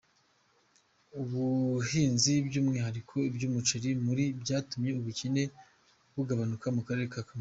Ubuhinzi by’umwihariko ubw’umuceri buri mu byatumye ubukene bugabanuka mu Karere ka Kamonyi.